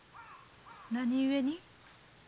何故に？